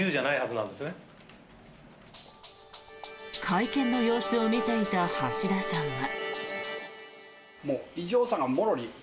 会見の様子を見ていた橋田さんは。